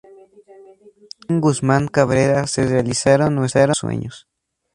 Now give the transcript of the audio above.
Juan Guzmán Cabrera se realizaron nuestros sueños.